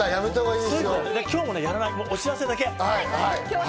今日もやらない、お知らせだけ。